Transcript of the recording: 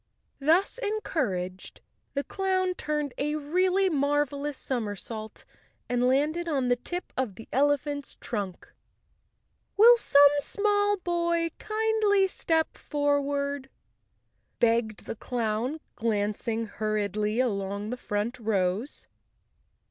Thus en¬ couraged, the clown turned a really marvelous som¬ ersault and landed on the tip of the elephant's trunk. "Will some small boy kindly step forward," begged the clown, glancing hurriedly along the front rows.